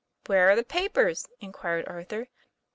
* Where are the papers ?' inquired Arthur.